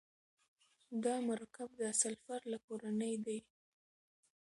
دا مرکب د سلفر له کورنۍ دی.